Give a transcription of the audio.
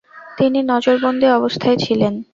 তিনি নজরবন্দি অবস্থায় ছিলেন।